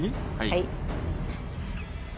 はい。